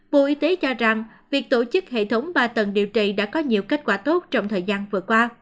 bộ y tế cho rằng việc tổ chức hệ thống ba tầng điều trị đã có nhiều kết quả tốt trong thời gian vừa qua